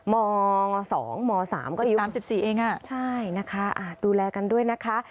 ม๒ม๓ก็อยู่ใช่นะคะดูแลกันด้วยนะคะ